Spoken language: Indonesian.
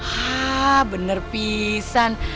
haaa bener pisan